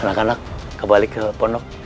anak anak kembali ke pondok